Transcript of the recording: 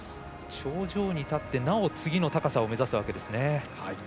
頂上に立ってなお次の高さを目指すわけですね。